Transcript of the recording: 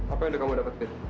apa yang udah kamu dapetin